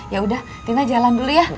ya udah tina jalan dulu ya